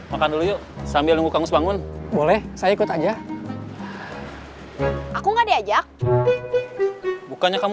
makan dulu yuk sambil nunggu kamus bangun boleh saya ikut aja aku nggak diajak bukannya kamu